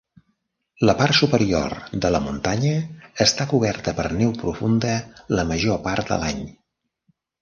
La part superior de la muntanya està coberta per neu profunda la major part de l'any.